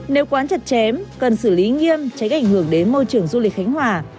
nếu quán chặt chém cần xử lý nghiêm tránh ảnh hưởng đến môi trường du lịch khánh hòa